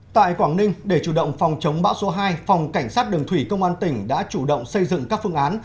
tại quảng ninh để chủ động phòng chống bão số hai phòng cảnh sát đường thủy công an tỉnh đã chủ động xây dựng các phương án